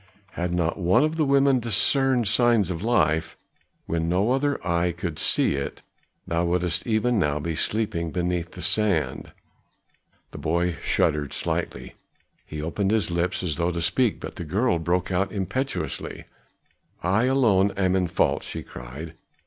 Had not one of the women discerned signs of life, when no other eye could see it, thou wouldst even now be sleeping beneath the sand." The boy shuddered slightly; he opened his lips as though to speak, but the girl broke out impetuously: "I alone am in fault," she cried.